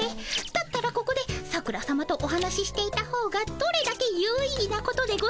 だったらここで桜さまとお話ししていたほうがどれだけ有意義なことでございましょう。